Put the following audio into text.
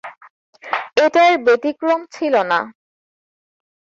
এটা এর ব্যতিক্রম ছিল না।